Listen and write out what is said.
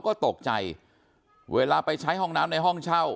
ก็ตกใจเวลาไปใช้ห้องน้ำในห้องเช่า